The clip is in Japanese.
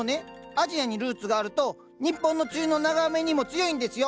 アジアにルーツがあると日本の梅雨の長雨にも強いんですよ！